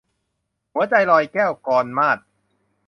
หัวใจลอยแก้ว - กรมาศ